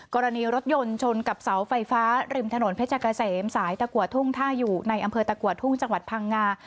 กรณีรถยนต์ชนกับเสาไฟฟ้าริมถนนเพชรเกษมสายตะกัวทุ่งท่าอยู่ในอำเภอตะกัวทุ่งจังหวัดพังงา